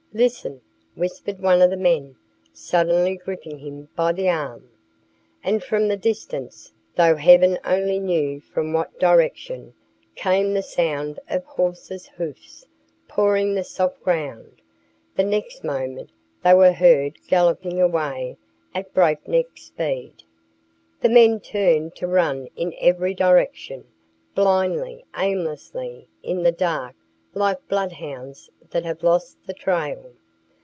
Listen!" whispered one of the men, suddenly gripping him by the arm. And from the distance though Heaven only knew from what direction came the sound of horses' hoofs pawing the soft ground; the next moment they were heard galloping away at breakneck speed. The men turned to run in every direction, blindly, aimlessly, in the dark, like bloodhounds that have lost the trail.